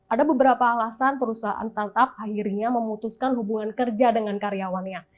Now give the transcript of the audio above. ada beberapa alasan perusahaan startup akhirnya memutuskan hubungan kerja dengan karyawannya